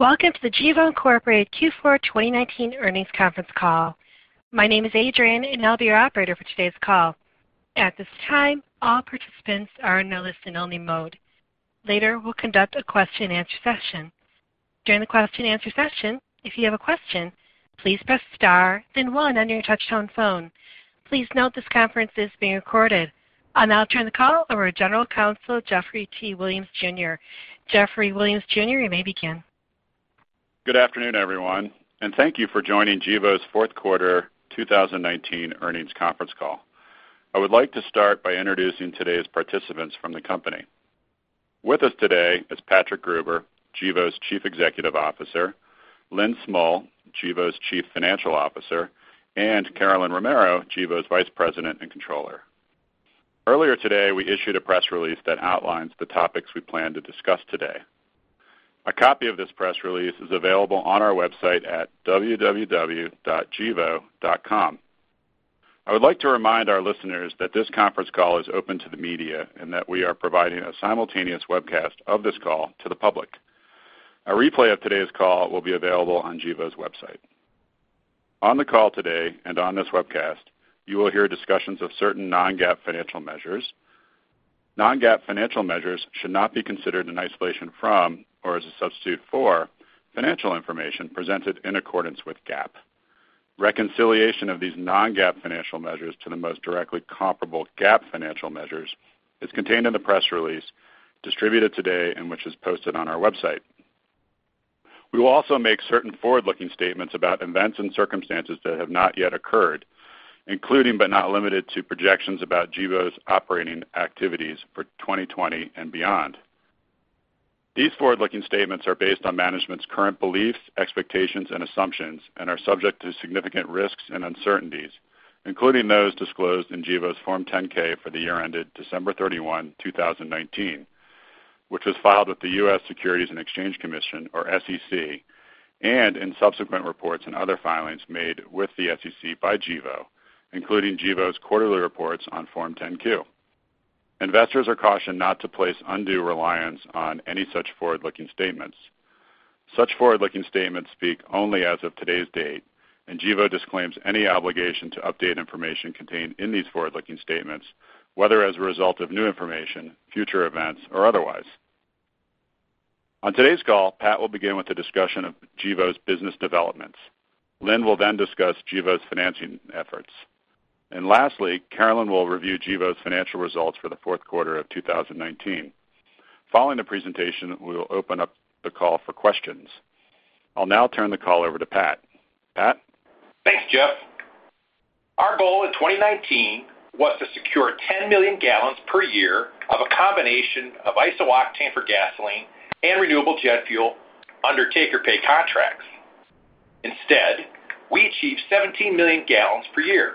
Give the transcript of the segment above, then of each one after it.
Welcome to the Gevo, Incorporated Q4 2019 earnings conference call. My name is Adrian, and I'll be your operator for today's call. At this time, all participants are in a listen only mode. Later, we'll conduct a question and answer session. During the question and answer session, if you have a question, please press star then one on your touchtone phone. Please note this conference is being recorded. I'll now turn the call over to General Counsel, Geoffrey T. Williams, Jr., Geoffrey Williams, Jr., you may begin. Good afternoon, everyone, and thank you for joining Gevo's fourth quarter 2019 earnings conference call. I would like to start by introducing today's participants from the company. With us today is Patrick Gruber, Gevo's Chief Executive Officer, Lynn Smull, Gevo's Chief Financial Officer, and Carolyn Romero, Gevo's Vice President and Controller. Earlier today, we issued a press release that outlines the topics we plan to discuss today. A copy of this press release is available on our website at www.gevo.com. I would like to remind our listeners that this conference call is open to the media, and that we are providing a simultaneous webcast of this call to the public. A replay of today's call will be available on Gevo's website. On the call today, and on this webcast, you will hear discussions of certain non-GAAP financial measures. Non-GAAP financial measures should not be considered in isolation from, or as a substitute for, financial information presented in accordance with GAAP. Reconciliation of these non-GAAP financial measures to the most directly comparable GAAP financial measures is contained in the press release distributed today and which is posted on our website. We will also make certain forward-looking statements about events and circumstances that have not yet occurred, including, but not limited to projections about Gevo's operating activities for 2020 and beyond. These forward-looking statements are based on management's current beliefs, expectations, and assumptions, and are subject to significant risks and uncertainties, including those disclosed in Gevo's Form 10-K for the year ended December 31, 2019, which was filed with the U.S. Securities and Exchange Commission, or SEC, and in subsequent reports and other filings made with the SEC by Gevo, including Gevo's quarterly reports on Form 10-Q. Investors are cautioned not to place undue reliance on any such forward-looking statements. Such forward-looking statements speak only as of today's date, and Gevo disclaims any obligation to update information contained in these forward-looking statements, whether as a result of new information, future events, or otherwise. On today's call, Pat will begin with a discussion of Gevo's business developments. Lynn will then discuss Gevo's financing efforts. Lastly, Carolyn will review Gevo's financial results for the fourth quarter of 2019. Following the presentation, we will open up the call for questions. I'll now turn the call over to Pat. Pat? Thanks, Geoff. Our goal in 2019 was to secure 10 million gal per year of a combination of isooctane for gasoline and renewable jet fuel under take-or-pay contracts. Instead, we achieved 17 million gal per year.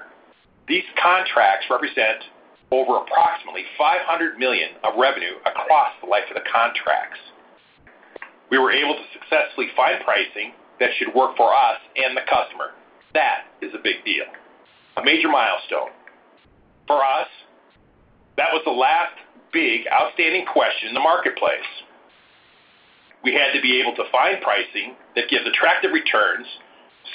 These contracts represent over approximately $500 million of revenue across the life of the contracts. We were able to successfully find pricing that should work for us and the customer. That is a big deal. A major milestone. For us, that was the last big outstanding question in the marketplace. We had to be able to find pricing that gives attractive returns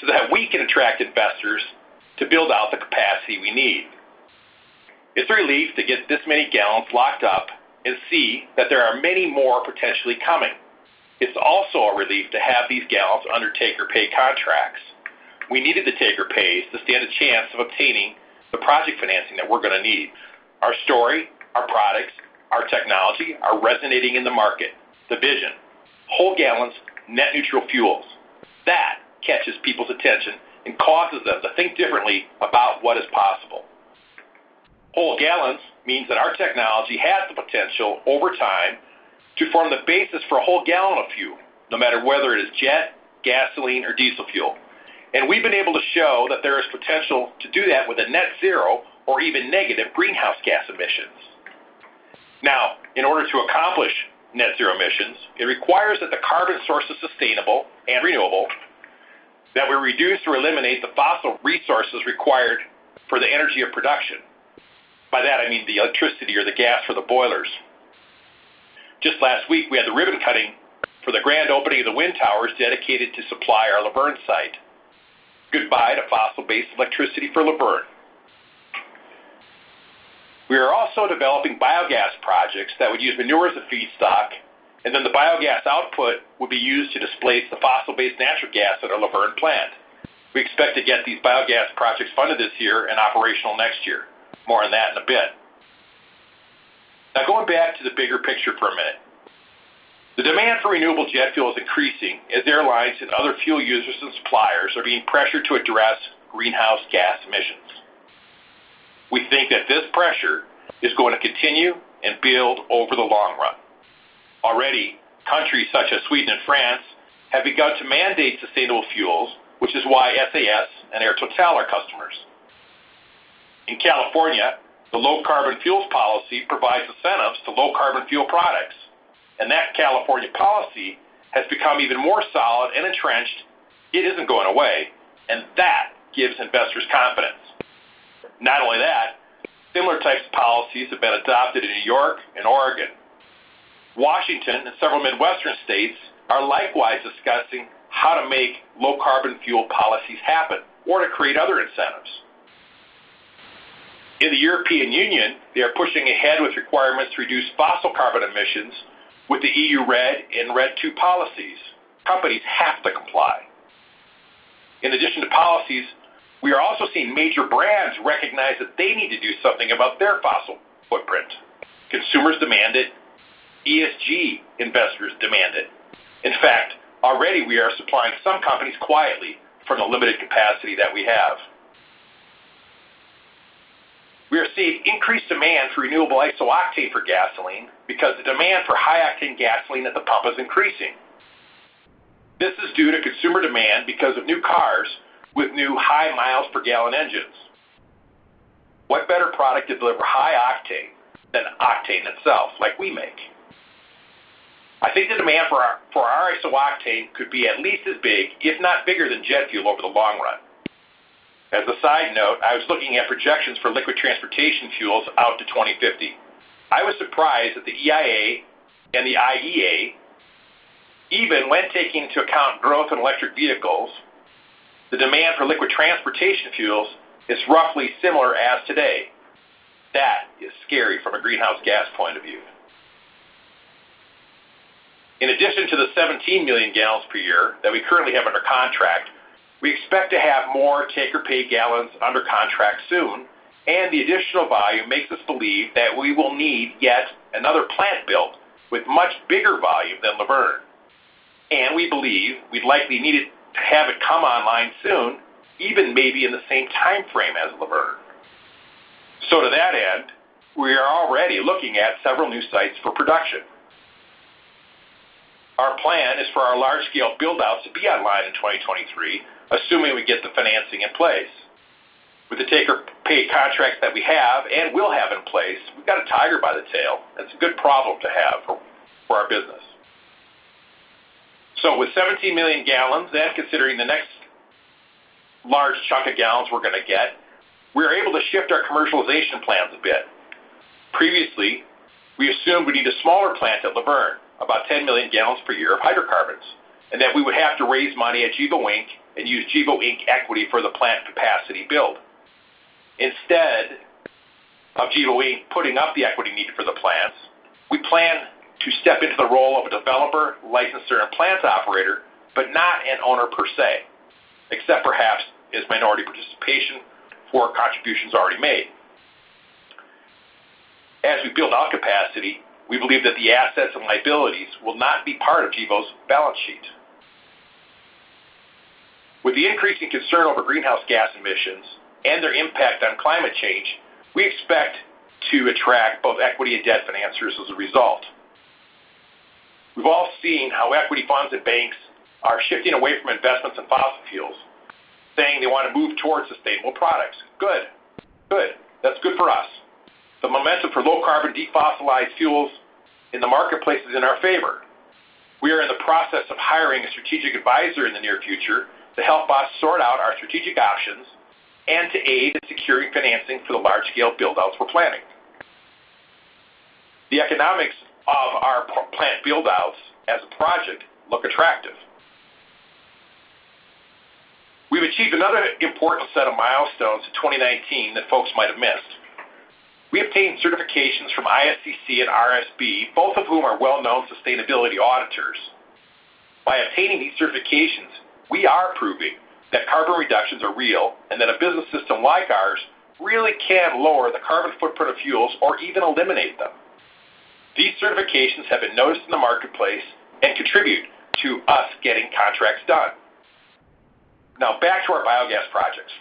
so that we can attract investors to build out the capacity we need. It's a relief to get this many gallons locked up and see that there are many more potentially coming. It's also a relief to have these gallons under take-or-pay contracts. We needed the take-or-pays to stand a chance of obtaining the project financing that we're going to need. Our story, our products, our technology are resonating in the market. The vision, whole gallons net neutral fuels, that catches people's attention and causes them to think differently about what is possible. Whole gallons means that our technology has the potential, over time, to form the basis for a whole gallon of fuel, no matter whether it is jet, gasoline or diesel fuel. We've been able to show that there is potential to do that with a net zero or even negative greenhouse gas emissions. In order to accomplish net zero emissions, it requires that the carbon source is sustainable and renewable, that we reduce or eliminate the fossil resources required for the energy of production. By that I mean the electricity or the gas for the boilers. Just last week, we had the ribbon cutting for the grand opening of the wind towers dedicated to supply our Luverne site. Goodbye to fossil-based electricity for Luverne. We are also developing biogas projects that would use manure as a feedstock, and then the biogas output would be used to displace the fossil-based natural gas at our Luverne plant. We expect to get these biogas projects funded this year and operational next year. More on that in a bit. Going back to the bigger picture for a minute. The demand for renewable jet fuel is increasing as airlines and other fuel users and suppliers are being pressured to address greenhouse gas emissions. We think that this pressure is going to continue and build over the long run. Already, countries such as Sweden and France have begun to mandate sustainable fuels, which is why SAS and Air TOTAL are customers. In California, the Low Carbon Fuels Policy provides incentives to low carbon fuel products, and that California policy has become even more solid and entrenched. It isn't going away, and that gives investors confidence. Not only that. Other types of policies have been adopted in New York and Oregon. Washington and several Midwestern states are likewise discussing how to make Low Carbon Fuel Policy happen or to create other incentives. In the European Union, they are pushing ahead with requirements to reduce fossil carbon emissions with the EU RED and RED II policies. Companies have to comply. In addition to policies, we are also seeing major brands recognize that they need to do something about their fossil footprint. Consumers demand it. ESG investors demand it. In fact, already we are supplying some companies quietly from the limited capacity that we have. We are seeing increased demand for renewable isooctane for gasoline because the demand for high octane gasoline at the pump is increasing. This is due to consumer demand because of new cars with new high miles per gallon engines. What better product to deliver high octane than octane itself, like we make? I think the demand for our isooctane could be at least as big, if not bigger, than jet fuel over the long run. As a side note, I was looking at projections for liquid transportation fuels out to 2050. I was surprised that the EIA and the IEA, even when taking into account growth in electric vehicles, the demand for liquid transportation fuels is roughly similar as today. That is scary from a greenhouse gas point of view. In addition to the 17 million gal per year that we currently have under contract, we expect to have more take-or-pay gallons under contract soon. The additional volume makes us believe that we will need yet another plant built with much bigger volume than Luverne. We believe we'd likely need it to have it come online soon, even maybe in the same timeframe as Luverne. To that end, we are already looking at several new sites for production. Our plan is for our large scale build-outs to be online in 2023, assuming we get the financing in place. With the take-or-pay contracts that we have and will have in place, we've got a tiger by the tail. That's a good problem to have for our business. With 17 million gal, then considering the next large chunk of gallons we're gonna get, we are able to shift our commercialization plans a bit. Previously, we assumed we need a smaller plant at Luverne, about 10 million gal per year of hydrocarbons, and that we would have to raise money at Gevo, Inc. and use Gevo, Inc. equity for the plant capacity build. Instead of Gevo, Inc. putting up the equity needed for the plants, we plan to step into the role of a developer, licenser, and plants operator, but not an owner per se, except perhaps as minority participation for contributions already made. As we build out capacity, we believe that the assets and liabilities will not be part of Gevo's balance sheet. With the increasing concern over greenhouse gas emissions and their impact on climate change, we expect to attract both equity and debt financers as a result. We've all seen how equity funds at banks are shifting away from investments in fossil fuels, saying they want to move towards sustainable products. Good. Good. That's good for us. The momentum for low carbon-defossilized fuels in the marketplace is in our favor. We are in the process of hiring a strategic advisor in the near future to help us sort out our strategic options and to aid in securing financing for the large scale build-outs we're planning. The economics of our plant build-outs as a project look attractive. We've achieved another important set of milestones in 2019 that folks might have missed. We obtained certifications from ISCC and RSB, both of whom are well-known sustainability auditors. By obtaining these certifications, we are proving that carbon reductions are real and that a business system like ours really can lower the carbon footprint of fuels or even eliminate them. These certifications have been noticed in the marketplace and contribute to us getting contracts done. Back to our biogas projects.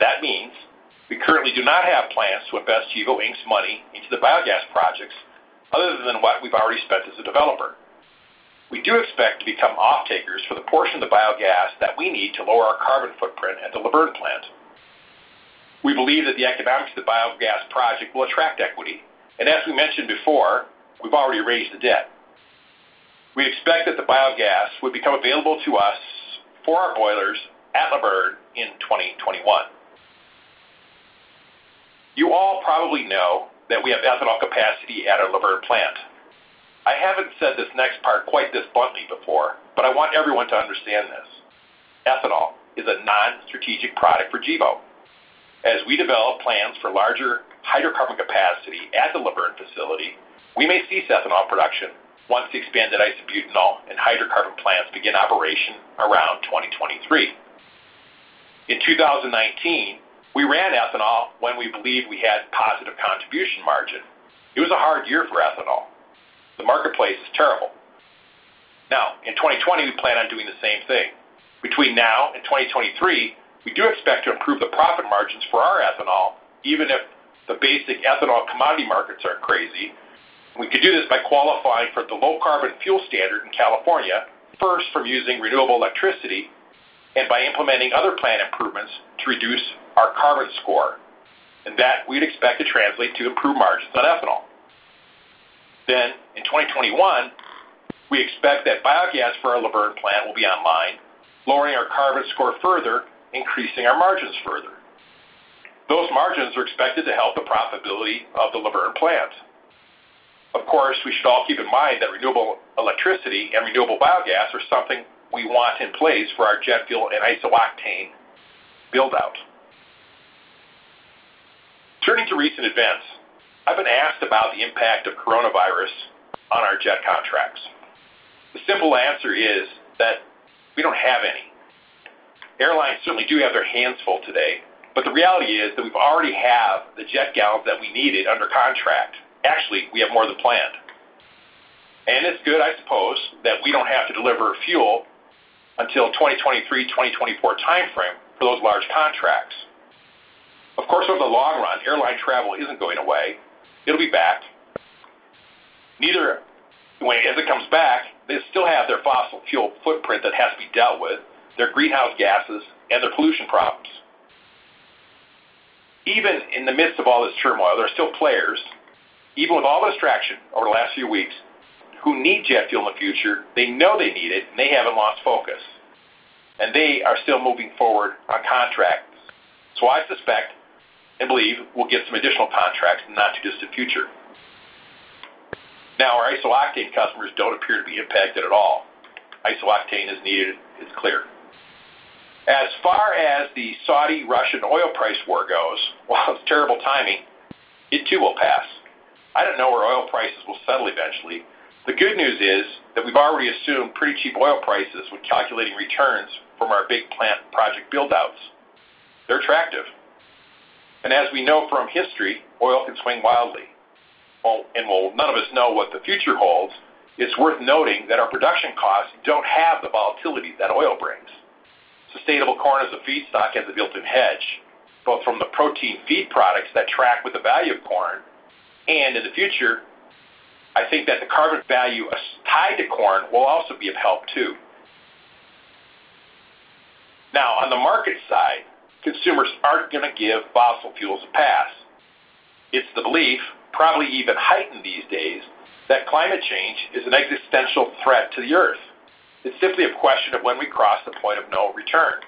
That means we currently do not have plans to invest Gevo, Inc.'s money into the biogas projects other than what we've already spent as a developer. We do expect to become offtakers for the portion of the biogas that we need to lower our carbon footprint at the Luverne plant. We believe that the economics of the biogas project will attract equity, and as we mentioned before, we've already raised the debt. We expect that the biogas would become available to us for our boilers at Luverne in 2021. You all probably know that we have ethanol capacity at our Luverne plant. I haven't said this next part quite this bluntly before, but I want everyone to understand this. Ethanol is a non-strategic product for Gevo. As we develop plans for larger hydrocarbon capacity at the Luverne facility, we may cease ethanol production once the expanded isobutanol and hydrocarbon plants begin operation around 2023. In 2019, we ran ethanol when we believed we had positive contribution margin. It was a hard year for ethanol. The marketplace is terrible. Now, in 2020, we plan on doing the same thing. Between now and 2023, we do expect to improve the profit margins for our ethanol, even if the basic ethanol commodity markets are crazy. We could do this by qualifying for the Low Carbon Fuel Standard in California, first from using renewable electricity and by implementing other plant improvements to reduce our carbon score, and that we'd expect to translate to improved margins on ethanol. In 2021, we expect that biogas for our Luverne plant will be online, lowering our carbon score further, increasing our margins further. Those margins are expected to help the profitability of the Luverne plant. Of course, we should all keep in mind that renewable electricity and renewable biogas are something we want in place for our jet fuel and isooctane build-out. Turning to recent events, I've been asked about the impact of coronavirus on our jet contracts. The simple answer is that we don't have any. Airlines certainly do have their hands full today, but the reality is that we already have the jet gallons that we needed under contract. Actually, we have more than planned. It's good, I suppose, that we don't have to deliver fuel until 2023, 2024 timeframe for those large contracts. Of course, over the long run, airline travel isn't going away. It'll be back. As it comes back, they still have their fossil fuel footprint that has to be dealt with, their greenhouse gases, and their pollution problems. Even in the midst of all this turmoil, there are still players, even with all the distraction over the last few weeks, who need jet fuel in the future. They know they need it, and they haven't lost focus, and they are still moving forward on contracts. I suspect and believe we'll get some additional contracts in the not-too-distant future. Now, our isooctane customers don't appear to be impacted at all. Isooctane is needed, it's clear. As far as the Saudi-Russian oil price war goes, while it's terrible timing, it too will pass. I don't know where oil prices will settle eventually. The good news is that we've already assumed pretty cheap oil prices when calculating returns from our big plant project build-outs. They're attractive. As we know from history, oil can swing wildly. While none of us know what the future holds, it's worth noting that our production costs don't have the volatility that oil brings. Sustainable corn as a feedstock has a built-in hedge, both from the protein feed products that track with the value of corn, and in the future, I think that the carbon value tied to corn will also be of help too. On the market side, consumers aren't going to give fossil fuels a pass. It's the belief, probably even heightened these days, that climate change is an existential threat to the Earth. It's simply a question of when we cross the point of no return.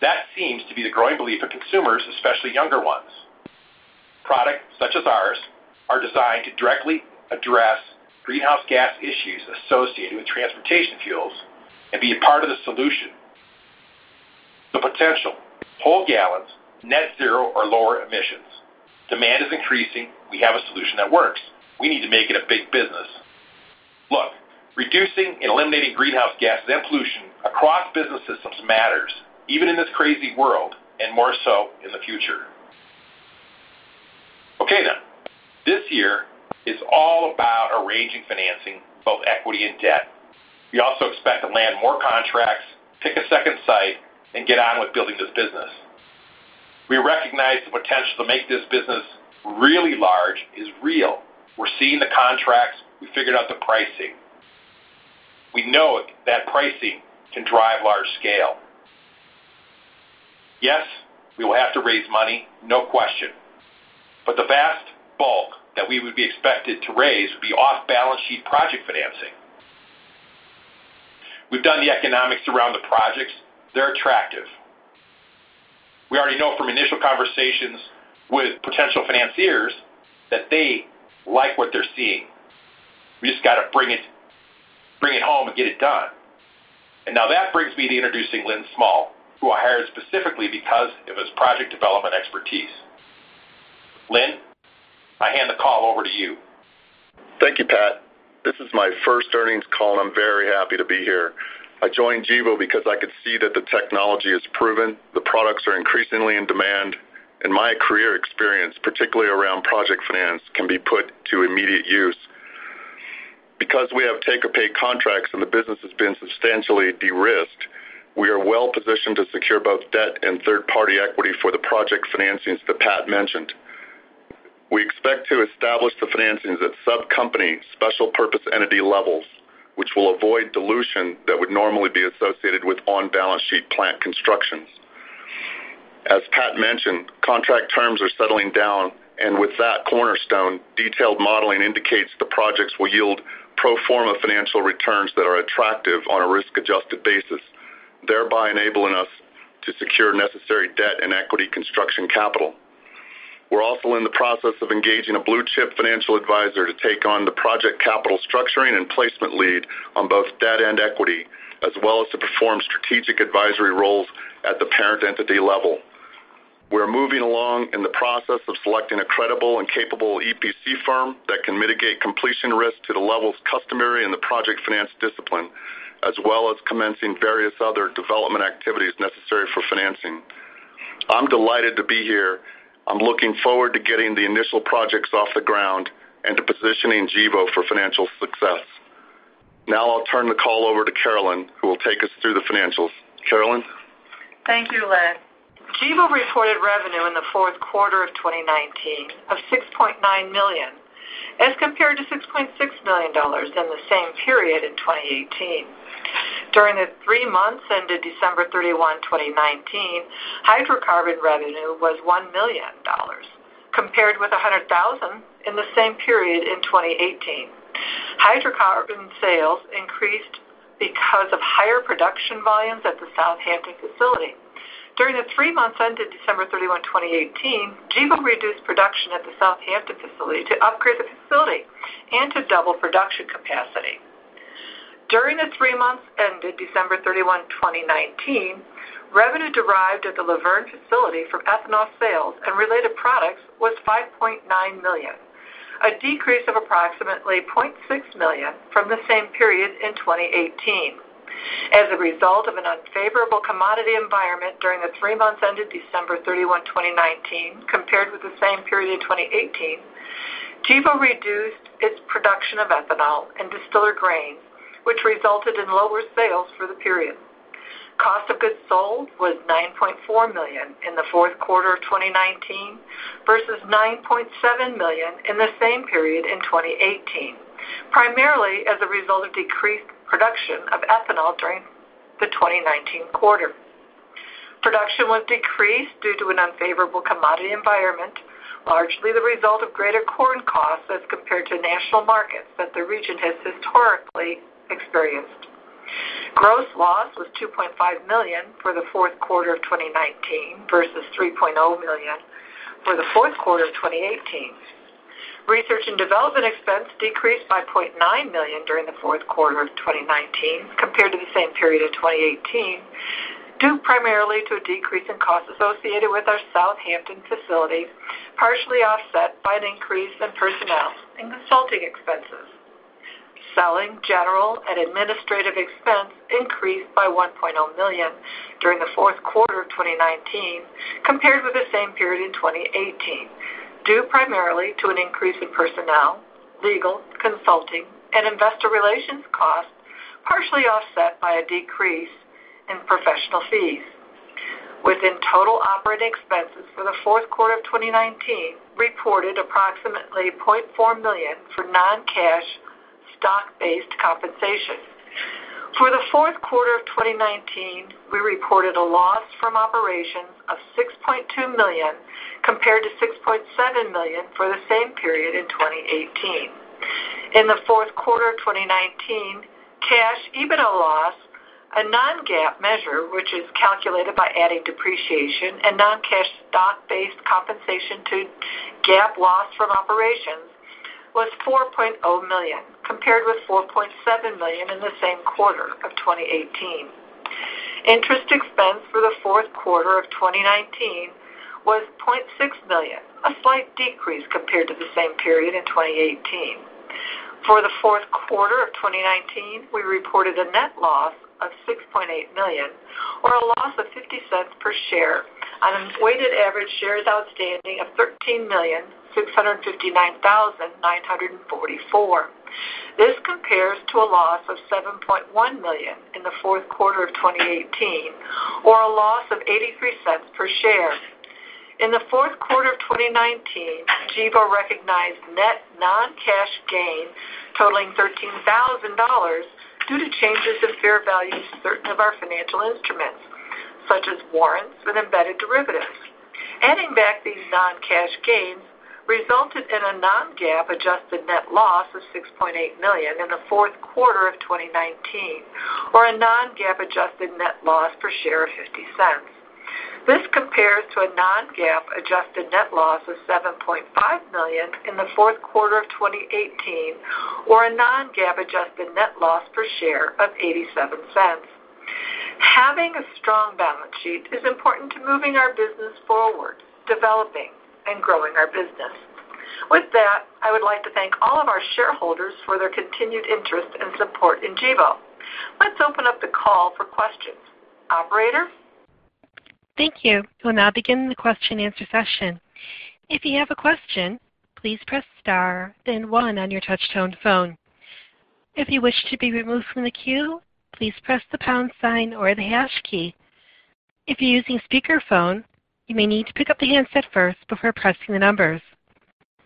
That seems to be the growing belief of consumers, especially younger ones. Products such as ours are designed to directly address greenhouse gas issues associated with transportation fuels and be a part of the solution. The potential, whole gallons, net zero or lower emissions. Demand is increasing. We have a solution that works. We need to make it a big business. Look, reducing and eliminating greenhouse gases and pollution across business systems matters, even in this crazy world, and more so in the future. This year is all about arranging financing, both equity and debt. We also expect to land more contracts, pick a second site, and get on with building this business. We recognize the potential to make this business really large is real. We're seeing the contracts. We figured out the pricing. We know that pricing can drive large scale. Yes, we will have to raise money, no question, but the vast bulk that we would be expected to raise would be off-balance sheet project financing. We've done the economics around the projects. They're attractive. We already know from initial conversations with potential financiers that they like what they're seeing. We just got to bring it home and get it done. Now that brings me to introducing Lynn Smull, who I hired specifically because of his project development expertise. Lynn, I hand the call over to you. Thank you, Pat. This is my first earnings call, and I'm very happy to be here. I joined Gevo because I could see that the technology is proven, the products are increasingly in demand, and my career experience, particularly around project finance, can be put to immediate use. Because we have take-or-pay contracts and the business has been substantially de-risked, we are well positioned to secure both debt and third-party equity for the project financings that Pat mentioned. We expect to establish the financings at sub-company, special purpose entity levels, which will avoid dilution that would normally be associated with on-balance sheet plant constructions. As Pat mentioned, contract terms are settling down, and with that cornerstone, detailed modeling indicates the projects will yield pro forma financial returns that are attractive on a risk-adjusted basis, thereby enabling us to secure necessary debt and equity construction capital. We're also in the process of engaging a blue-chip financial advisor to take on the project capital structuring and placement lead on both debt and equity, as well as to perform strategic advisory roles at the parent entity level. We're moving along in the process of selecting a credible and capable EPC firm that can mitigate completion risk to the levels customary in the project finance discipline, as well as commencing various other development activities necessary for financing. I'm delighted to be here. I'm looking forward to getting the initial projects off the ground and to positioning Gevo for financial success. Now I'll turn the call over to Carolyn, who will take us through the financials. Carolyn? Thank you, Lynn. Gevo reported revenue in the fourth quarter of 2019 of $6.9 million as compared to $6.6 million in the same period in 2018. During the three months ended December 31, 2019, hydrocarbon revenue was $1 million, compared with $100,000 in the same period in 2018. Hydrocarbon sales increased because of higher production volumes at the South Hampton facility. During the three months ended December 31, 2018, Gevo reduced production at the South Hampton facility to upgrade the facility and to double production capacity. During the three months ended December 31, 2019, revenue derived at the Luverne facility from ethanol sales and related products was $5.9 million, a decrease of approximately $0.6 million from the same period in 2018. As a result of an unfavorable commodity environment during the three months ended December 31, 2019, compared with the same period in 2018, Gevo reduced its production of ethanol and distiller grain, which resulted in lower sales for the period. Cost of goods sold was $9.4 million in the fourth quarter of 2019 versus $9.7 million in the same period in 2018, primarily as a result of decreased production of ethanol during the 2019 quarter. Production was decreased due to an unfavorable commodity environment, largely the result of greater corn costs as compared to national markets that the region has historically experienced. Gross loss was $2.5 million for the fourth quarter of 2019 versus $3.0 million for the fourth quarter of 2018. Research and development expense decreased by $0.9 million during the fourth quarter of 2019 compared to the same period in 2018, due primarily to a decrease in costs associated with our South Hampton facility, partially offset by an increase in personnel and consulting expenses. Selling, general, and administrative expense increased by $1.0 million during the fourth quarter of 2019 compared with the same period in 2018, due primarily to an increase in personnel, legal, consulting, and investor relations costs, partially offset by a decrease in professional fees. Within total operating expenses for the fourth quarter of 2019, we reported approximately $0.4 million for non-cash stock-based compensation. For the fourth quarter of 2019, we reported a loss from operations of $6.2 million, compared to $6.7 million for the same period in 2018. In the fourth quarter of 2019, cash EBITDA loss, a non-GAAP measure, which is calculated by adding depreciation and non-cash stock-based compensation to GAAP loss from operations, was $4.0 million, compared with $4.7 million in the same quarter of 2018. Interest expense for the fourth quarter of 2019 was $0.6 million, a slight decrease compared to the same period in 2018. For the fourth quarter of 2019, we reported a net loss of $6.8 million, or a loss of $0.50 per share on weighted average shares outstanding of 13,659,944. This compares to a loss of $7.1 million in the fourth quarter of 2018, or a loss of $0.83 per share. In the fourth quarter of 2019, Gevo recognized net non-cash gain totaling $13,000 due to changes in fair value of certain of our financial instruments, such as warrants with embedded derivatives. Adding back these non-GAAP gains resulted in a non-GAAP adjusted net loss of $6.8 million in the fourth quarter of 2019, or a non-GAAP adjusted net loss per share of $0.50. This compares to a non-GAAP adjusted net loss of $7.5 million in the fourth quarter of 2018, or a non-GAAP adjusted net loss per share of $0.87. Having a strong balance sheet is important to moving our business forward, developing and growing our business. With that, I would like to thank all of our shareholders for their continued interest and support in Gevo. Let's open up the call for questions. Operator? Thank you. We'll now begin the question and answer session. If you have a question, please press star then one on your touch-tone phone. If you wish to be removed from the queue, please press the pound sign or the hash key. If you're using speakerphone, you may need to pick up the handset first before pressing the numbers.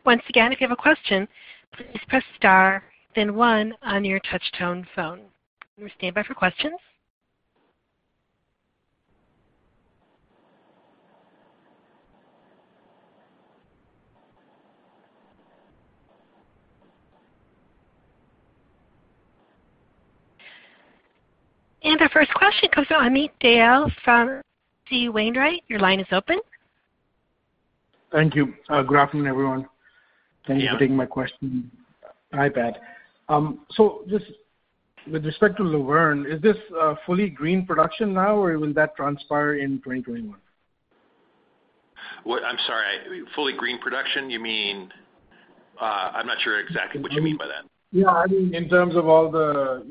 Once again, if you have a question, please press star then one on your touch-tone phone. We'll stand by for questions. Our first question comes from Amit Dayal from H.C. Wainwright. Your line is open. Thank you. Good afternoon, everyone. Yeah. Thank you for taking my question. Hi Pat. Just with respect to Luverne, is this fully green production now, or will that transpire in 2021? What? I'm sorry. Fully green production? You mean I'm not sure exactly what you mean by that. Yeah. I mean, in terms of all the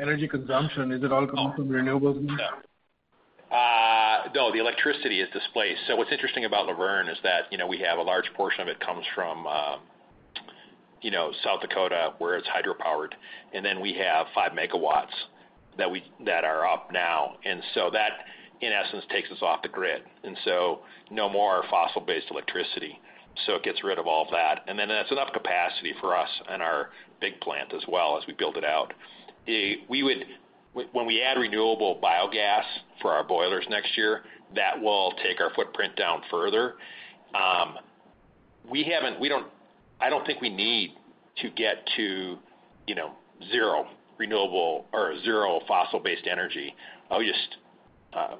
energy consumption, is it all coming from renewables now? No, the electricity is displaced. What's interesting about Luverne is that we have a large portion of it comes from South Dakota, where it's hydropowered, and then we have five megawatts that are Up now. That, in essence, takes us off the grid. No more fossil-based electricity. It gets rid of all of that, and then that's enough capacity for us and our big plant as well as we build it out. When we add renewable biogas for our boilers next year, that will take our footprint down further. I don't think we need to get to zero renewable or zero fossil-based energy.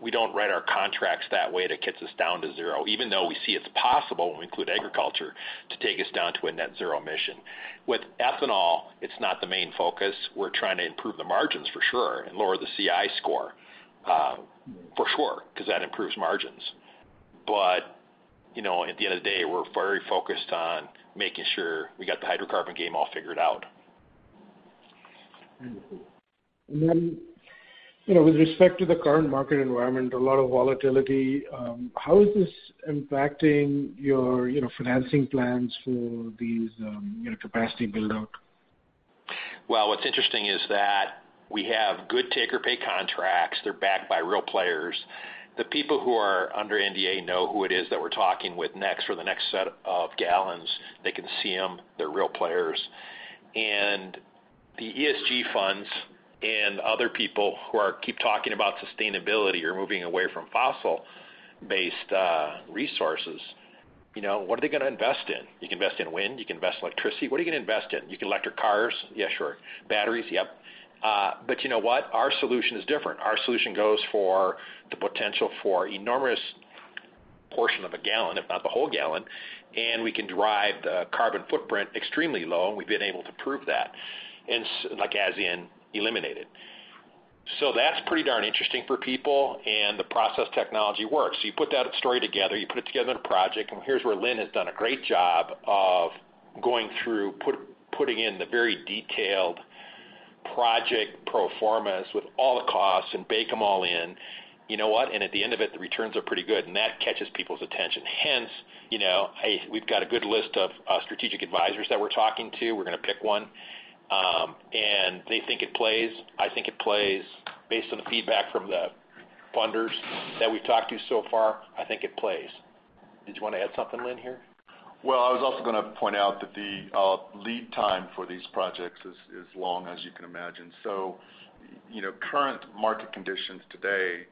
We don't write our contracts that way that gets us down to zero, even though we see it's possible when we include agriculture to take us down to a net zero emission. With ethanol, it's not the main focus. We're trying to improve the margins for sure and lower the CI score, for sure, because that improves margins. At the end of the day, we're very focused on making sure we got the hydrocarbon game all figured out. Wonderful. With respect to the current market environment, a lot of volatility, how is this impacting your financing plans for these capacity build out? What's interesting is that we have good take-or-pay contracts. They're backed by real players. The people who are under NDA know who it is that we're talking with next for the next set of gallons. They can see them. They're real players. The ESG funds and other people who keep talking about sustainability or moving away from fossil-based resources, what are they going to invest in? You can invest in wind, you can invest in electricity. What are you going to invest in? You can electric cars. Yeah, sure. Batteries. Yep. You know what? Our solution is different. Our solution goes for the potential for enormous portion of a gallon, if not the whole gallon, and we can drive the carbon footprint extremely low, and we've been able to prove that, as in eliminate it. That's pretty darn interesting for people, and the process technology works. You put that story together, you put it together in a project, here's where Lynn has done a great job of going through, putting in the very detailed project pro formas with all the costs and bake them all in. You know what? At the end of it, the returns are pretty good, and that catches people's attention. Hence, we've got a good list of strategic advisors that we're talking to. We're going to pick one. They think it plays. I think it plays based on the feedback from the funders that we've talked to so far. I think it plays. Did you want to add something, Lynn, here? Well, I was also going to point out that the lead time for these projects is long, as you can imagine. Current market conditions today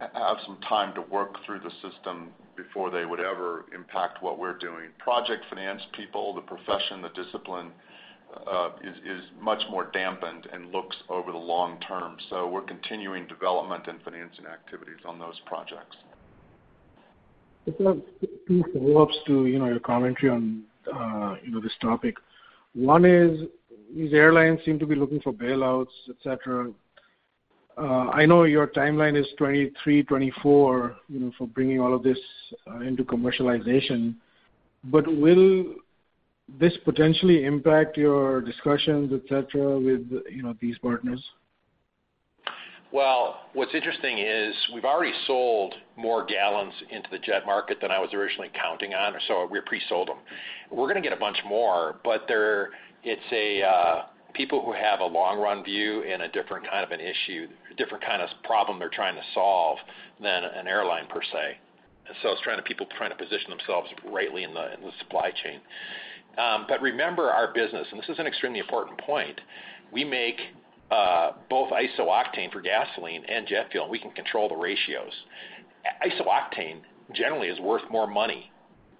have some time to work through the system before they would ever impact what we're doing. Project finance people, the profession, the discipline, is much more dampened and looks over the long term. We're continuing development and financing activities on those projects. Just two follow-ups to your commentary on this topic. One is these airlines seem to be looking for bailouts, et cetera. I know your timeline is 2023, 2024 for bringing all of this into commercialization, will this potentially impact your discussions, et cetera, with these partners? What's interesting is we've already sold more gallons into the jet market than I was originally counting on. We pre-sold them. We're going to get a bunch more, but it's people who have a long run view and a different kind of an issue, a different kind of problem they're trying to solve than an airline, per se. It's people trying to position themselves rightly in the supply chain. Remember our business, and this is an extremely important point, we make both isooctane for gasoline and jet fuel, and we can control the ratios. Isooctane generally is worth more money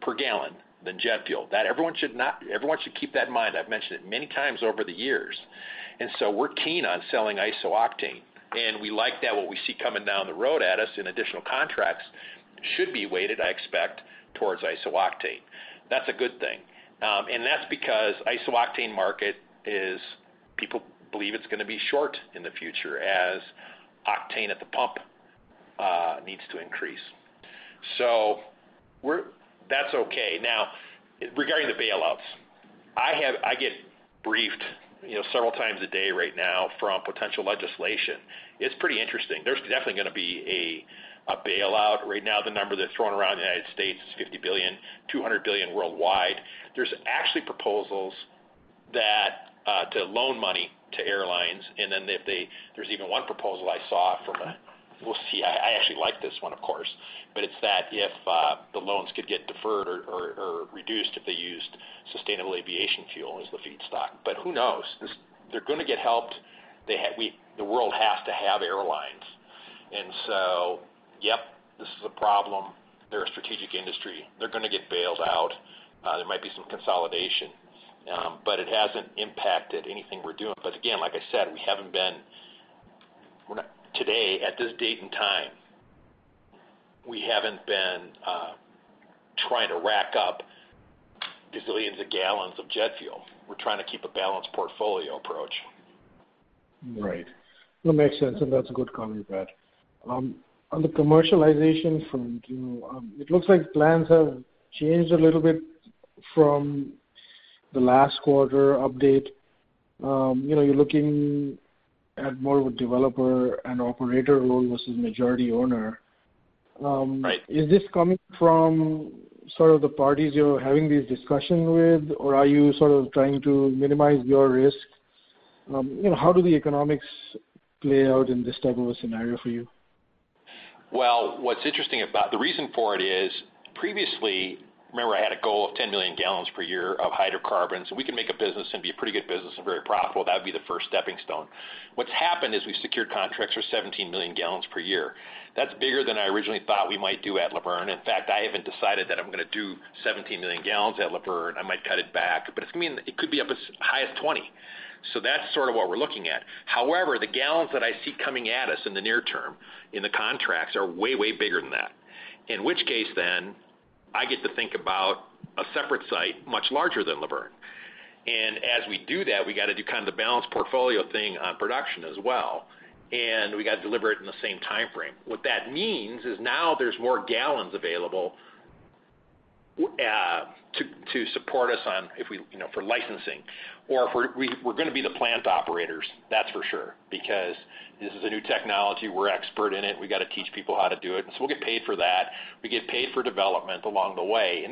per gallon than jet fuel. Everyone should keep that in mind. I've mentioned it many times over the years. We're keen on selling isooctane, and we like that what we see coming down the road at us in additional contracts should be weighted, I expect, towards isooctane. That's a good thing. That's because isooctane market is, people believe it's going to be short in the future as octane at the pump needs to increase. That's okay. Now, regarding the bailouts, I get briefed several times a day right now from potential legislation. It's pretty interesting. There's definitely going to be a bailout. Right now, the number that's thrown around in the United States is $50 billion, $200 billion worldwide. There's actually proposals to loan money to airlines, and there's even one proposal I saw. We'll see. I actually like this one, of course, it's that if the loans could get deferred or reduced if they used sustainable aviation fuel as the feedstock. Who knows? They're going to get helped. The world has to have airlines. Yep, this is a problem. They're a strategic industry. They're going to get bailed out. There might be some consolidation. It hasn't impacted anything we're doing. Again, like I said, today, at this date and time, we haven't been trying to rack up gazillions of gallons of jet fuel. We're trying to keep a balanced portfolio approach. Right. No, makes sense. That's a good comment, Pat. On the commercialization front, it looks like plans have changed a little bit from the last quarter update. You're looking at more of a developer and operator role versus majority owner. Right. Is this coming from sort of the parties you're having these discussions with, or are you sort of trying to minimize your risk? How do the economics play out in this type of a scenario for you? What's interesting about The reason for it is previously, remember I had a goal of 10 million gal per year of hydrocarbons, so we can make a business and be a pretty good business and very profitable. That would be the first stepping stone. What's happened is we've secured contracts for 17 million gal per year. That's bigger than I originally thought we might do at Luverne. In fact, I haven't decided that I'm going to do 17 million gal at Luverne. I might cut it back. It could be up as high as 20 million gal. That's sort of what we're looking at. The gallons that I see coming at us in the near term in the contracts are way bigger than that. In which case then, I get to think about a separate site much larger than Luverne. As we do that, we got to do kind of the balanced portfolio thing on production as well. We got to deliver it in the same timeframe. What that means is now there's more gallons available to support us for licensing. We're going to be the plant operators, that's for sure, because this is a new technology. We're expert in it. We got to teach people how to do it. We'll get paid for that. We get paid for development along the way.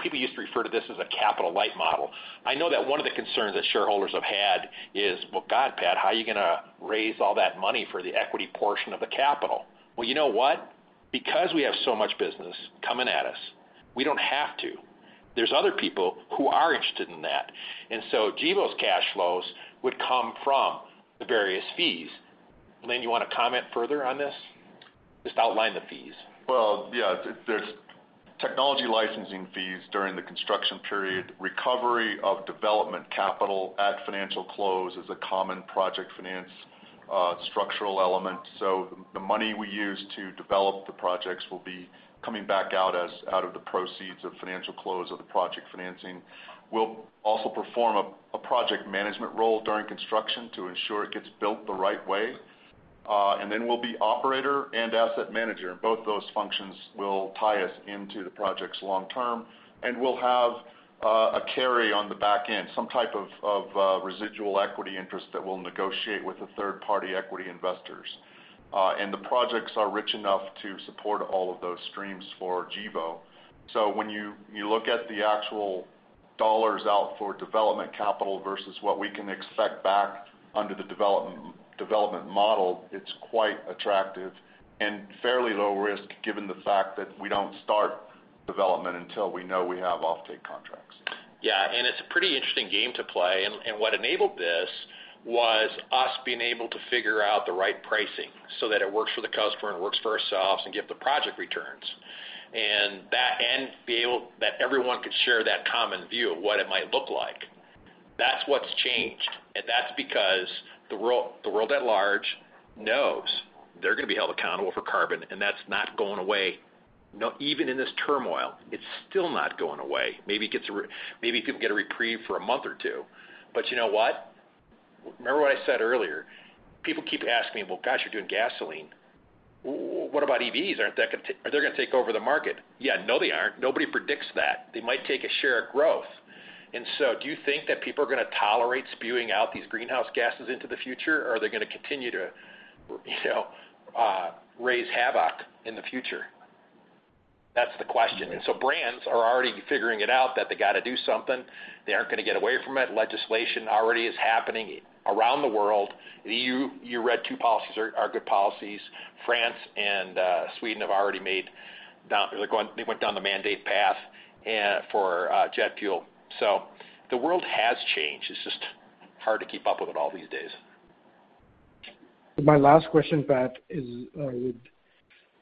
People used to refer to this as a capital-light model. I know that one of the concerns that shareholders have had is, "Well, God, Pat, how are you going to raise all that money for the equity portion of the capital?" Well, you know what? Because we have so much business coming at us, we don't have to. There's other people who are interested in that. Gevo's cash flows would come from the various fees. Lynn, you want to comment further on this? Just outline the fees. Well, yeah. There's technology licensing fees during the construction period. Recovery of development capital at financial close is a common project finance structural element. The money we use to develop the projects will be coming back out as out of the proceeds of financial close of the project financing. We'll also perform a project management role during construction to ensure it gets built the right way. We'll be operator and asset manager, and both those functions will tie us into the projects long term. We'll have a carry on the back end, some type of residual equity interest that we'll negotiate with the third party equity investors. The projects are rich enough to support all of those streams for Gevo. When you look at the actual dollars out for development capital versus what we can expect back under the development model, it's quite attractive and fairly low risk given the fact that we don't start development until we know we have offtake contracts. Yeah, it's a pretty interesting game to play. What enabled this was us being able to figure out the right pricing so that it works for the customer and works for ourselves and give the project returns. That everyone could share that common view of what it might look like. That's what's changed. That's because the world at large knows they're going to be held accountable for carbon, and that's not going away. Even in this turmoil, it's still not going away. Maybe it could get a reprieve for a month or two, but you know what? Remember what I said earlier. People keep asking me, "Well, gosh, you're doing gasoline. What about EVs? They're going to take over the market." Yeah, no, they aren't. Nobody predicts that. They might take a share of growth. Do you think that people are going to tolerate spewing out these greenhouse gases into the future? Or are they going to continue to raise havoc in the future? That's the question. Brands are already figuring it out that they got to do something. They aren't going to get away from it. Legislation already is happening around the world. You read two policies are good policies. France and Sweden have already made. They went down the mandate path for jet fuel. The world has changed. It's just hard to keep up with it all these days. My last question, Pat, is with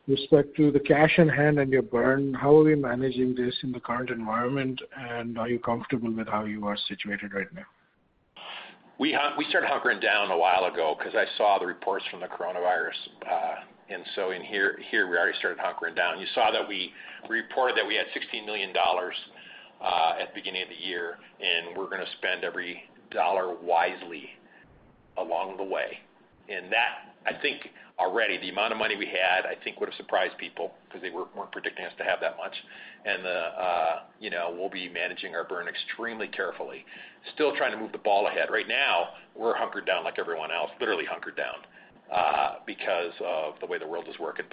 respect to the cash in hand and your burn, how are we managing this in the current environment? Are you comfortable with how you are situated right now? We started hunkering down a while ago because I saw the reports from the coronavirus. In here, we already started hunkering down. You saw that we reported that we had $16 million at the beginning of the year. We're going to spend every dollar wisely along the way. That, I think already the amount of money we had, I think would have surprised people because they weren't predicting us to have that much. We'll be managing our burn extremely carefully, still trying to move the ball ahead. Right now, we're hunkered down like everyone else, literally hunkered down because of the way the world is working.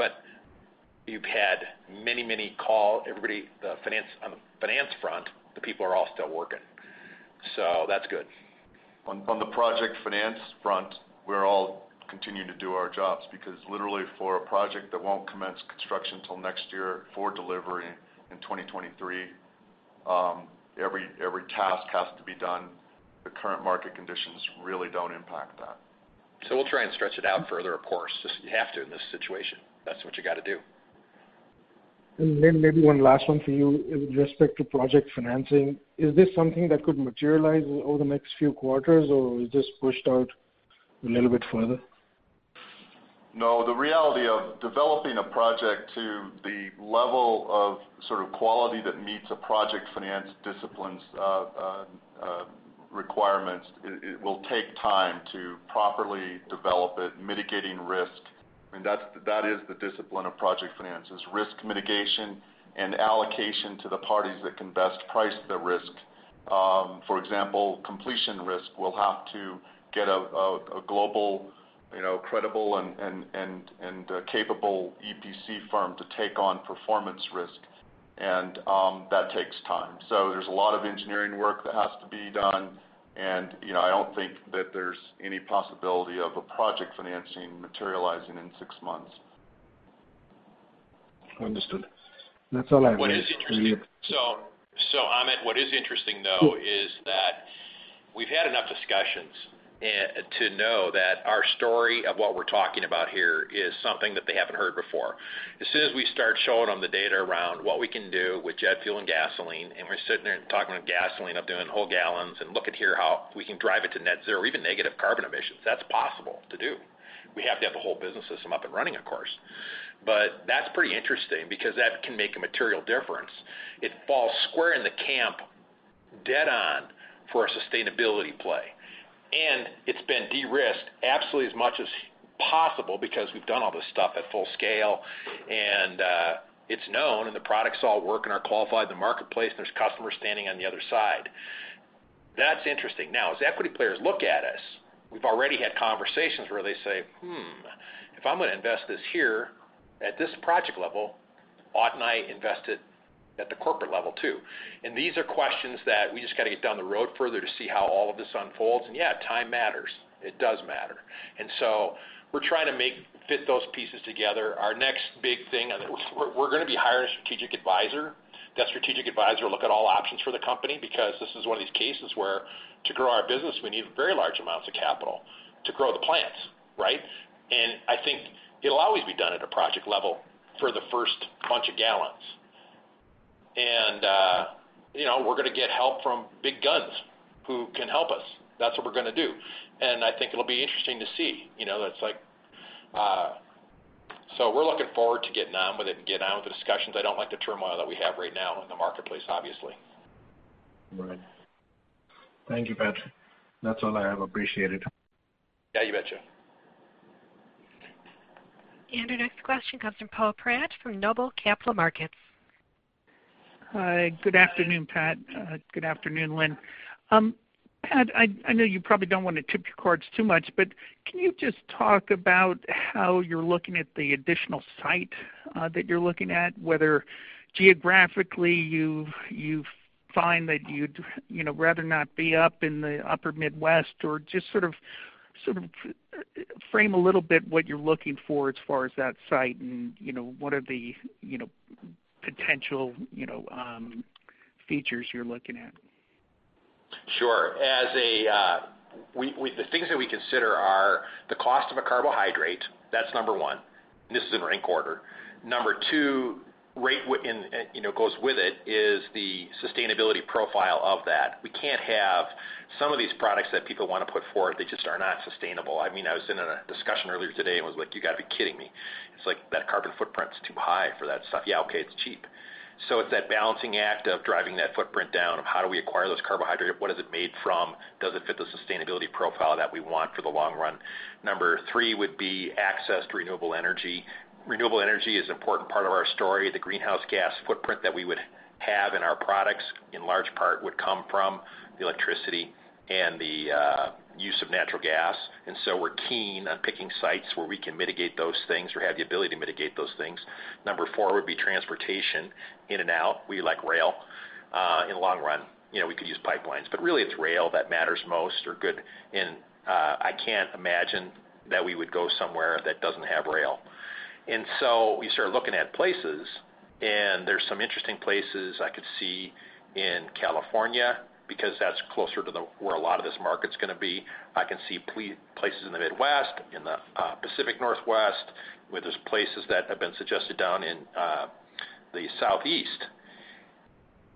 You've had many, many call everybody On the finance front, the people are all still working. That's good. On the project finance front, we're all continuing to do our jobs because literally for a project that won't commence construction till next year for delivery in 2023, every task has to be done. The current market conditions really don't impact that. We'll try and stretch it out further, of course. You have to in this situation. That's what you got to do. Then maybe one last one for you. With respect to project financing, is this something that could materialize over the next few quarters, or is this pushed out a little bit further? The reality of developing a project to the level of sort of quality that meets a project finance discipline's requirements, it will take time to properly develop it, mitigating risk. That is the discipline of project finance is risk mitigation and allocation to the parties that can best price the risk. For example, completion risk will have to get a global credible and capable EPC firm to take on performance risk. That takes time. There's a lot of engineering work that has to be done, and I don't think that there's any possibility of a project financing materializing in six months. Understood. That's all I have. Amit, what is interesting though is that we've had enough discussions to know that our story of what we're talking about here is something that they haven't heard before. As soon as we start showing them the data around what we can do with jet fuel and gasoline, and we're sitting there talking with gasoline of doing whole gallons and look at here how we can drive it to net zero, even negative carbon emissions. That's possible to do. We have to have the whole business system up and running, of course. That's pretty interesting, because that can make a material difference. It falls square in the camp dead on for a sustainability play. It's been de-risked absolutely as much as possible because we've done all this stuff at full scale, and it's known, and the products all work and are qualified in the marketplace, and there's customers standing on the other side. That's interesting. Now, as equity players look at us, we've already had conversations where they say, "Hmm, if I'm going to invest this here at this project level, oughtn't I invest it at the corporate level, too?" These are questions that we just got to get down the road further to see how all of this unfolds. Yeah, time matters. It does matter. So we're trying to fit those pieces together. Our next big thing, we're going to be hiring a strategic advisor. That strategic advisor will look at all options for the company, because this is one of these cases where to grow our business, we need very large amounts of capital to grow the plants. Right? I think it'll always be done at a project level for the first bunch of gallons. We're going to get help from big guns who can help us. That's what we're going to do. I think it'll be interesting to see. We're looking forward to getting on with it and getting on with the discussions. I don't like the turmoil that we have right now in the marketplace, obviously. Right. Thank you, Pat. That's all I have. Appreciated. Yeah, you betcha. Our next question comes from Poe Fratt from Noble Capital Markets. Hi, good afternoon, Pat. Good afternoon, Lynn. Pat, I know you probably don't want to tip your cards too much, but can you just talk about how you're looking at the additional site that you're looking at, whether geographically you find that you'd rather not be up in the upper Midwest, or just sort of frame a little bit what you're looking for as far as that site and what are the potential features you're looking at? Sure. The things that we consider are the cost of a carbohydrate, that's number one. This is in rank order. Number two, goes with it, is the sustainability profile of that. We can't have some of these products that people want to put forward, they just are not sustainable. I was in a discussion earlier today and was like, "You got to be kidding me." It's like, "That carbon footprint's too high for that stuff." Yeah, okay, it's cheap. It's that balancing act of driving that footprint down, of how do we acquire those carbohydrate? What is it made from? Does it fit the sustainability profile that we want for the long run? Number three would be access to renewable energy. Renewable energy is an important part of our story. The greenhouse gas footprint that we would have in our products, in large part, would come from the electricity and the use of natural gas. We're keen on picking sites where we can mitigate those things or have the ability to mitigate those things. Number four would be transportation in and out. We like rail. In the long run, we could use pipelines. Really, it's rail that matters most. I can't imagine that we would go somewhere that doesn't have rail. We started looking at places, and there's some interesting places I could see in California because that's closer to where a lot of this market's going to be. I can see places in the Midwest, in the Pacific Northwest, where there's places that have been suggested down in the Southeast.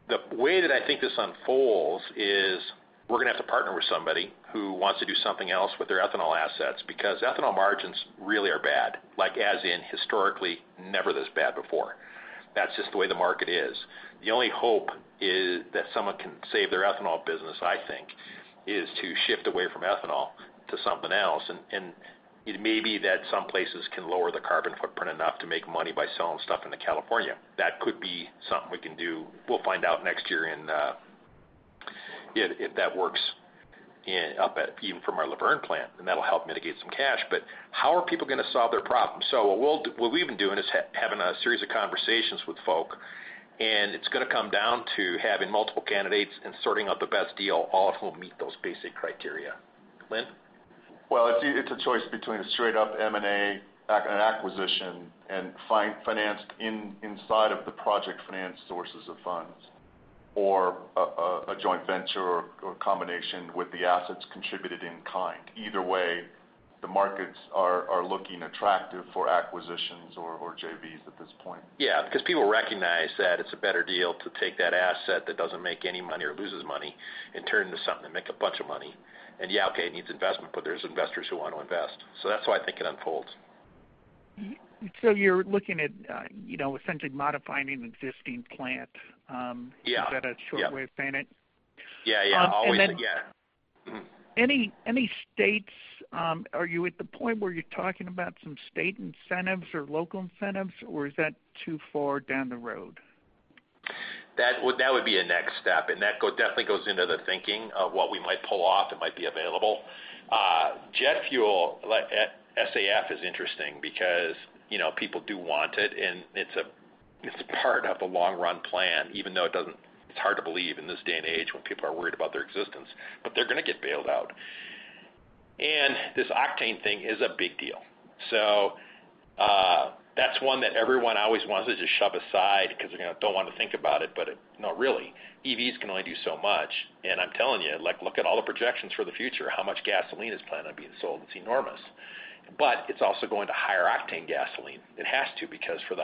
The way that I think this unfolds is we're going to have to partner with somebody who wants to do something else with their ethanol assets because ethanol margins really are bad. Like as in historically never this bad before. That's just the way the market is. The only hope that someone can save their ethanol business, I think, is to shift away from ethanol to something else. It may be that some places can lower the carbon footprint enough to make money by selling stuff into California. That could be something we can do. We'll find out next year if that works even from our Luverne plant, then that'll help mitigate some cash. How are people going to solve their problems? What we've been doing is having a series of conversations with folk, and it's going to come down to having multiple candidates and sorting out the best deal, all who will meet those basic criteria. Lynn? Well, it's a choice between a straight up M&A, an acquisition, and financed inside of the project finance sources of funds, or a joint venture or combination with the assets contributed in kind. Either way, the markets are looking attractive for acquisitions or JVs at this point. Yeah, because people recognize that it's a better deal to take that asset that doesn't make any money or loses money and turn it into something to make a bunch of money. Yeah, okay, it needs investment, but there's investors who want to invest. That's how I think it unfolds. You're looking at essentially modifying an existing plant. Yeah. Is that a short way of saying it? Yeah. Always, yeah. Mm-hmm. Are you at the point where you're talking about some state incentives or local incentives, or is that too far down the road? That would be a next step, and that definitely goes into the thinking of what we might pull off that might be available. Jet fuel, SAF is interesting because people do want it, and it's a part of the long-run plan, even though it's hard to believe in this day and age when people are worried about their existence, but they're going to get bailout. This octane thing is a big deal. That's one that everyone always wants to just shove aside because they don't want to think about it. EVs can only do so much, and I'm telling you, look at all the projections for the future, how much gasoline is planned on being sold. It's enormous. It's also going to higher octane gasoline. It has to because for the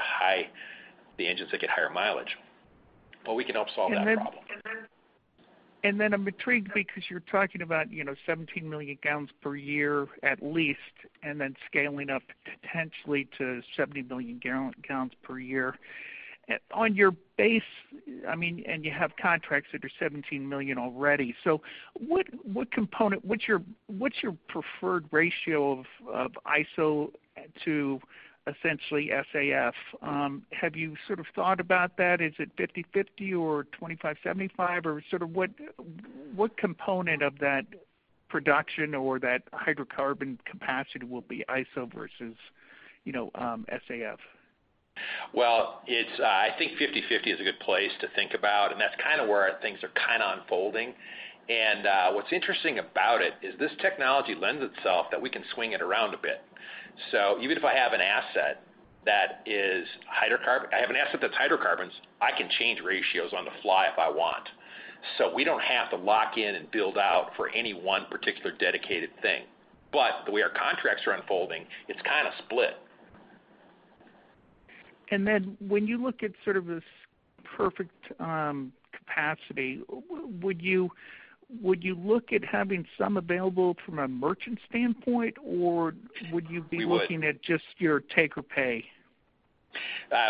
engines that get higher mileage. We can help solve that problem. I'm intrigued because you're talking about 17 million gal per year at least, and then scaling up potentially to 70 million gal per year. On your base, and you have contracts that are 17 million already. What's your preferred ratio of ISO to essentially SAF? Have you sort of thought about that? Is it 50/50 or 25/75, or what component of that production or that hydrocarbon capacity will be ISO versus SAF? Well, I think 50/50 is a good place to think about, and that's where things are unfolding. What's interesting about it is this technology lends itself that we can swing it around a bit. Even if I have an asset that's hydrocarbons, I can change ratios on the fly if I want. We don't have to lock in and build out for any one particular dedicated thing. The way our contracts are unfolding, it's kind of split. When you look at sort of this project capacity, would you look at having some available from a merchant standpoint? We would. Looking at just your take-or-pay?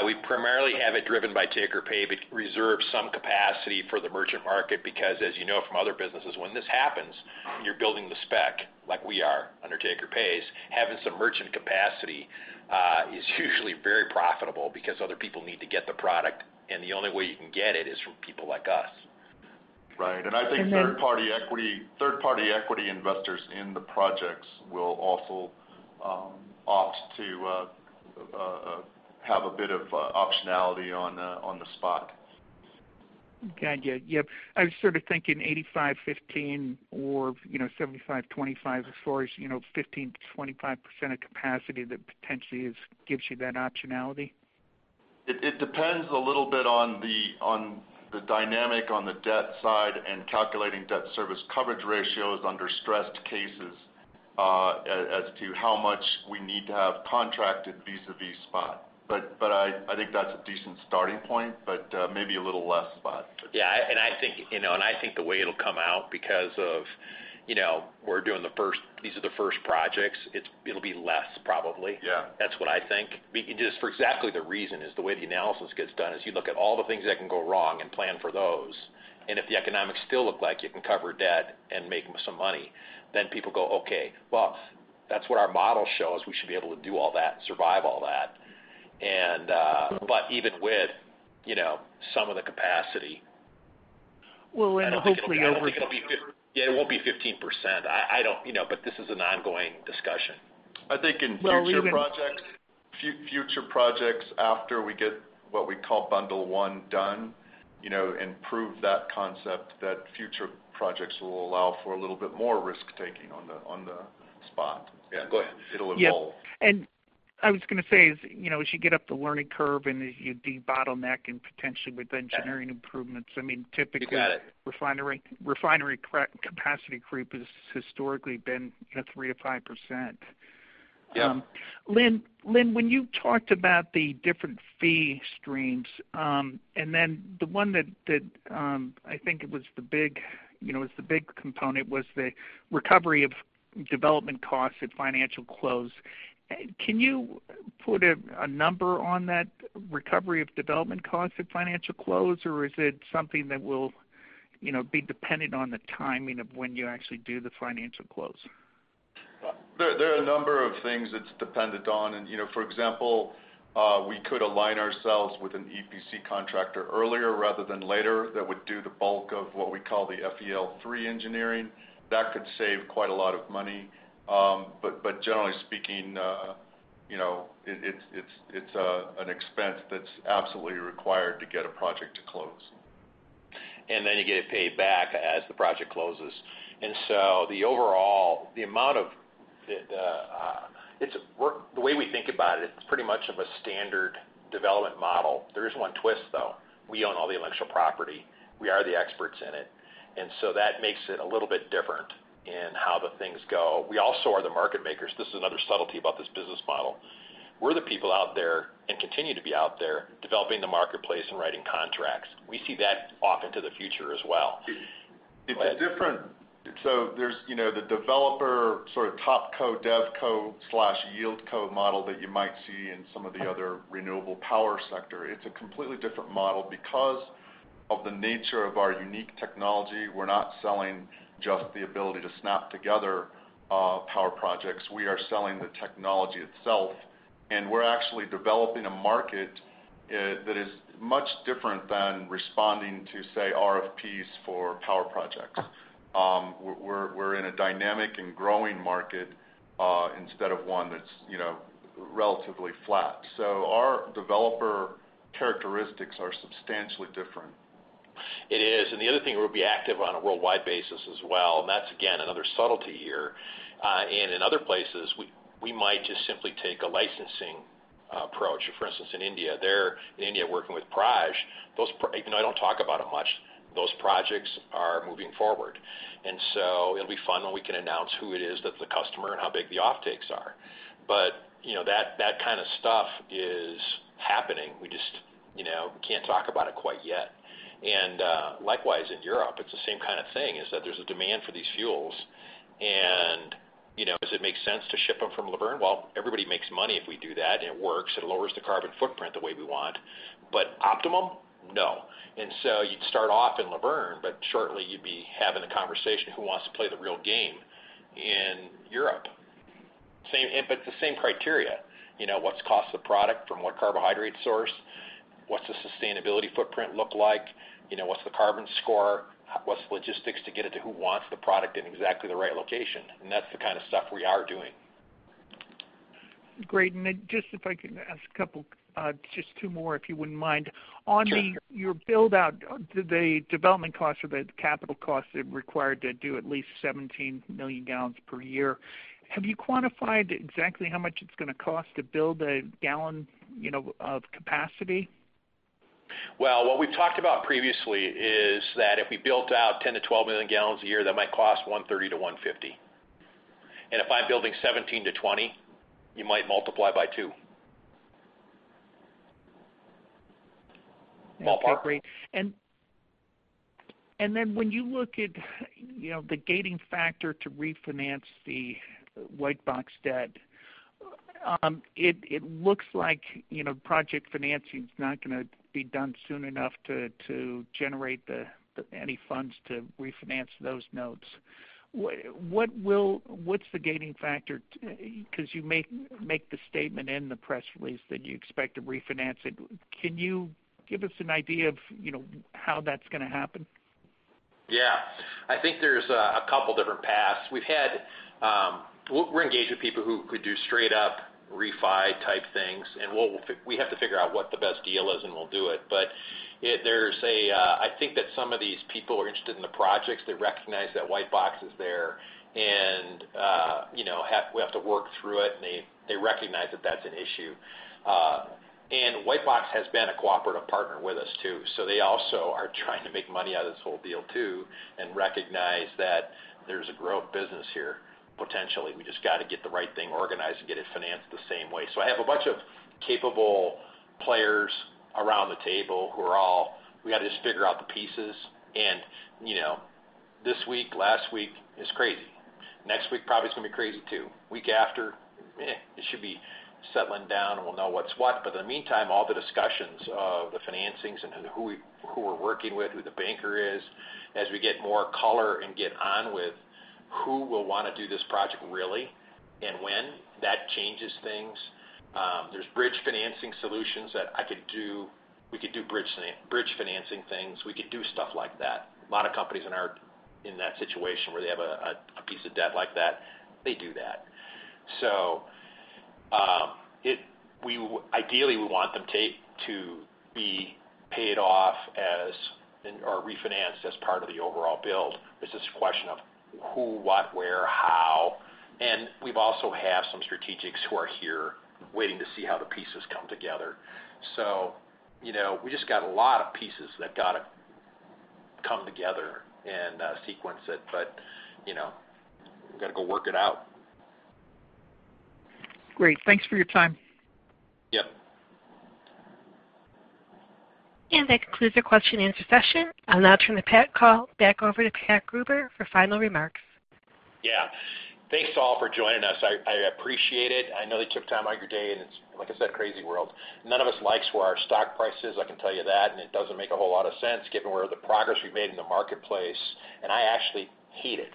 We primarily have it driven by take-or-pay, but reserve some capacity for the merchant market because, as you know from other businesses, when this happens, you're building the spec, like we are under take-or-pays. Having some merchant capacity is usually very profitable because other people need to get the product, and the only way you can get it is from people like us. Right. I think third-party equity investors in the projects will also opt to have a bit of optionality on the spot. Got you. Yep. I was sort of thinking 85/15 or 75/25 as far as 15%-25% of capacity that potentially gives you that optionality. It depends a little bit on the dynamic on the debt side and calculating debt service coverage ratios under stressed cases as to how much we need to have contracted vis-a-vis spot. I think that's a decent starting point, but maybe a little less spot. Yeah. I think the way it'll come out because of these are the first projects, it'll be less probably. Yeah. That's what I think. For exactly the reason is the way the analysis gets done is you look at all the things that can go wrong and plan for those. If the economics still look like you can cover debt and make some money, people go, "Okay. Well, that's what our model shows. We should be able to do all that and survive all that. Well, and hopefully over. Yeah, it won't be 15%. This is an ongoing discussion. I think in future projects after we get what we call bundle one done and prove that concept, that future projects will allow for a little bit more risk-taking on the spot. Yeah. Go ahead. It'll evolve. Yeah. I was going to say is, as you get up the learning curve and as you debottleneck and potentially with engineering improvements, typically. You got it. refinery capacity creep has historically been 3%-5%. Yep. Lynn, when you talked about the different fee streams, and then the one that I think it was the big component was the recovery of development costs at financial close. Can you put a number on that recovery of development cost at financial close, or is it something that will be dependent on the timing of when you actually do the financial close? There are a number of things it's dependent on. For example, we could align ourselves with an EPC contractor earlier rather than later that would do the bulk of what we call the FEL3 engineering. That could save quite a lot of money. Generally speaking, it's an expense that's absolutely required to get a project to close. You get it paid back as the project closes. The way we think about it's pretty much of a standard development model. There is one twist, though. We own all the intellectual property. We are the experts in it. That makes it a little bit different in how the things go. We also are the market makers. This is another subtlety about this business model. We're the people out there, and continue to be out there, developing the marketplace and writing contracts. We see that off into the future as well. There's the developer sort of TopCo, DevCo/YieldCo model that you might see in some of the other renewable power sector. It's a completely different model. Because of the nature of our unique technology, we're not selling just the ability to snap together power projects. We are selling the technology itself. We're actually developing a market that is much different than responding to, say, RFPs for power projects. We're in a dynamic and growing market, instead of one that's relatively flat. Our developer characteristics are substantially different. It is. The other thing, we'll be active on a worldwide basis as well, and that's, again, another subtlety here. In other places, we might just simply take a licensing approach. For instance, in India. In India, working with Praj. Even though I don't talk about it much, those projects are moving forward. It'll be fun when we can announce who it is that's the customer and how big the offtakes are. That kind of stuff is happening. We just can't talk about it quite yet. Likewise, in Europe, it's the same kind of thing. Is that there's a demand for these fuels. Does it make sense to ship them from Luverne? Well, everybody makes money if we do that, and it works. It lowers the carbon footprint the way we want. Optimum? No. You'd start off in Luverne, but shortly you'd be having a conversation, who wants to play the real game in Europe? It's the same criteria. What's the cost of the product? From what carbohydrate source? What's the sustainability footprint look like? What's the carbon score? What's the logistics to get it to who wants the product in exactly the right location? That's the kind of stuff we are doing. Great. Just if I could ask just two more, if you wouldn't mind. Sure. On your build-out, the development cost or the capital cost required to do at least 17 million gal per year. Have you quantified exactly how much it's going to cost to build a gallon of capacity? Well, what we've talked about previously is that if we built-out 10 million-12 million gal a year, that might cost $130-$150. If I'm building 17 million-20 million gal, you might multiply by two. Ballpark. Okay, great. When you look at the gating factor to refinance the Whitebox debt, it looks like project financing's not going to be done soon enough to generate any funds to refinance those notes. What's the gating factor? You make the statement in the press release that you expect to refinance it. Can you give us an idea of how that's going to happen? Yeah. I think there's a couple different paths. We're engaged with people who could do straight up refi type things, and we have to figure out what the best deal is, and we'll do it. I think that some of these people are interested in the projects. They recognize that Whitebox is there, and we have to work through it, and they recognize that that's an issue. Whitebox has been a cooperative partner with us, too. They also are trying to make money out of this whole deal, too, and recognize that there's a growth business here. Potentially. We just got to get the right thing organized and get it financed the same way. I have a bunch of capable players around the table. We got to just figure out the pieces, and this week, last week is crazy. Next week probably is going to be crazy, too. Week after, it should be settling down, and we'll know what's what. In the meantime, all the discussions of the financings and who we're working with, who the banker is, as we get more color and get on with who will want to do this project really and when, that changes things. There's bridge financing solutions that I could do. We could do bridge financing things. We could do stuff like that. A lot of companies are in that situation where they have a piece of debt like that. They do that. Ideally, we want them to be paid off or refinanced as part of the overall build. It's just a question of who, what, where, how. We also have some strategics who are here waiting to see how the pieces come together. We just got a lot of pieces that got to come together and sequence it. We got to go work it out. Great. Thanks for your time. Yep. That concludes the question and answer session. I'll now turn the call back over to Pat Gruber for final remarks. Thanks all for joining us. I appreciate it. I know that you took time out of your day, and it's, like I said, crazy world. None of us likes where our stock price is, I can tell you that, and it doesn't make a whole lot of sense given where the progress we've made in the marketplace. I actually hate it.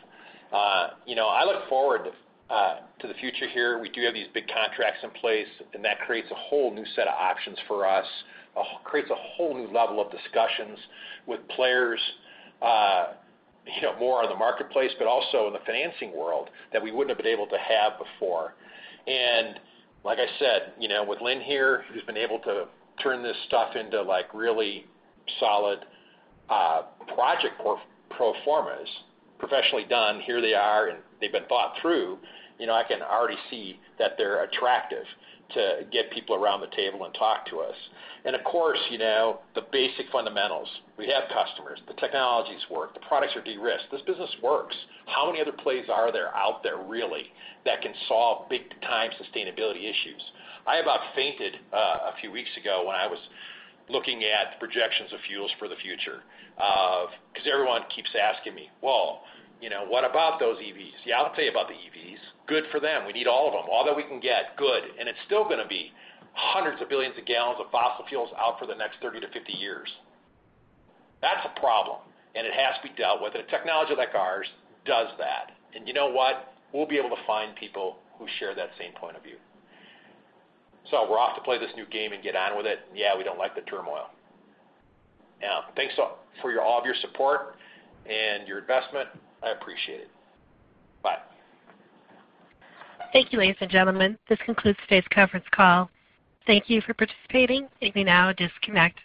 I look forward to the future here. We do have these big contracts in place, and that creates a whole new set of options for us. Creates a whole new level of discussions with players more on the marketplace, but also in the financing world that we wouldn't have been able to have before. Like I said, with Lynn here, who's been able to turn this stuff into really solid project pro formas, professionally done. Here they are, and they've been thought through. I can already see that they're attractive to get people around the table and talk to us. Of course, the basic fundamentals. We have customers. The technologies work. The products are de-risked. This business works. How many other plays are there out there really that can solve big-time sustainability issues? I about fainted a few weeks ago when I was looking at projections of fuels for the future. Everyone keeps asking me, "Well, what about those EVs?" Yeah, I'll tell you about the EVs. Good for them. We need all of them, all that we can get. Good. It's still going to be hundreds of billions of gallons of fossil fuels out for the next 30-50 years. That's a problem, and it has to be dealt with, and a technology like ours does that. You know what? We'll be able to find people who share that same point of view. We're off to play this new game and get on with it. Yeah, we don't like the turmoil. Thanks for all of your support and your investment. I appreciate it. Bye. Thank you, ladies and gentlemen. This concludes today's conference call. Thank you for participating. You may now disconnect.